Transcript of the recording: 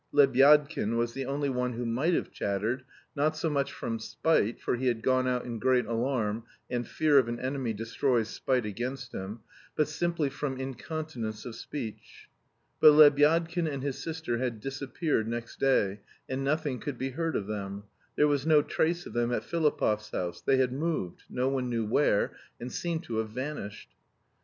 Lebyadkin was the only one who might have chattered, not so much from spite, for he had gone out in great alarm (and fear of an enemy destroys spite against him), but simply from incontinence of speech. But Lebyadkin and his sister had disappeared next day, and nothing could be heard of them. There was no trace of them at Filipov's house, they had moved, no one knew where, and seemed to have vanished.